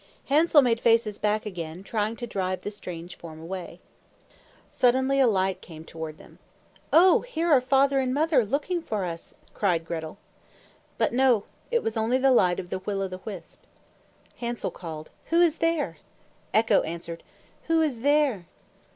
Hansel made faces back again, trying to drive the strange form away. Suddenly a light came toward them. "Oh, here are father and mother looking for us!" cried Gretel. But no, it was only the light of the will o' the wisp. Hansel called, "Who is there?" Echo answered, "Who is there?"